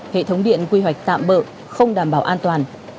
hệ thống điện quy hoạch tạm bỡ không đảm bảo an toàn